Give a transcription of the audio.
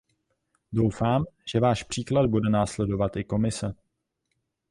Doufám, že váš příklad bude následovat i Komise.